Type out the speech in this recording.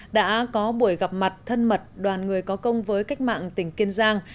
đã có buổi gặp mặt thân mật đoàn người có công với cách mạng tỉnh kiên giang